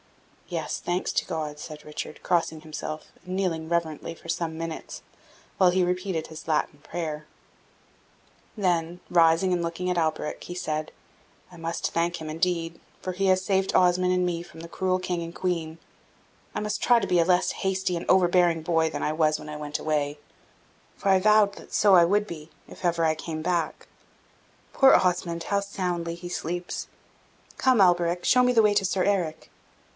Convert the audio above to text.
"Yes, thanks to God!" said Richard, crossing himself and kneeling reverently for some minutes, while he repeated his Latin prayer; then, rising and looking at Alberic, he said, "I must thank Him, indeed, for he has saved Osmond and me from the cruel King and Queen, and I must try to be a less hasty and overbearing boy than I was when I went away; for I vowed that so I would be, if ever I came back. Poor Osmond, how soundly he sleeps! Come, Alberic, show me the way to Sir Eric!"